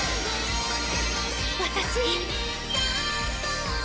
私。